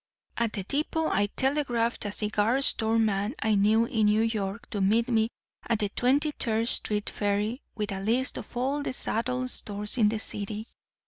"At the depot I telegraphed a cigar store man I knew in New York to meet me at the Twenty third Street ferry with a list of all the saddle stores in the city.